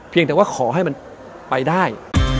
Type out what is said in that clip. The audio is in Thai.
เพียงแต่ว่าขอให้มันไปได้